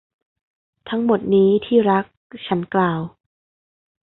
ทั้งหมดนี้ ที่รัก ฉันกล่าว